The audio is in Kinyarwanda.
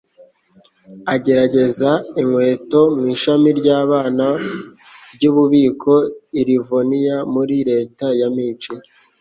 agerageza inkweto mu ishami ry'abana ry'ububiko i Livoniya, muri Leta ya Mich,